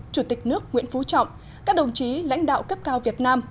chủ tịch nước nguyễn phú trọng các đồng chí lãnh đạo cấp cao việt nam